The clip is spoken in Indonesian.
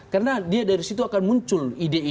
karena dia dari situ akan muncul ide ide gagasan dalam film